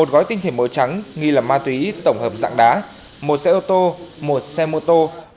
một gói tinh thể màu trắng nghi là ma túy tổng hợp dạng đá một xe ô tô một xe mô tô